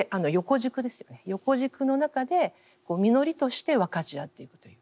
横軸の中で実りとして分かち合っていくという。